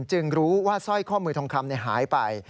จึงรู้ว่าสร้อยข้อมือทองคำหายไป